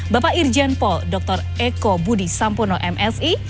bapak irjen pol dr eko budi sampono msi